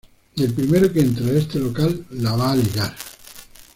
El primero que entre a este local, la va a ligar.